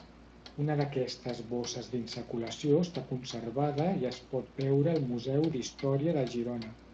Una d'aquestes bosses d'insaculació està conservada i es pot veure al Museu d'Història de Girona.